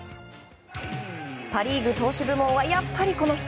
パ・リーグ投手部門はやっぱりこの人。